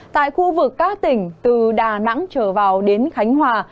tại khu vực các tỉnh từ đà nẵng trở vào đến khánh hòa